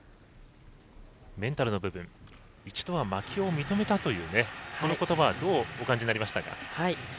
メンタルの部分一度は負けを認めたというこの言葉はどうお感じになりましたか？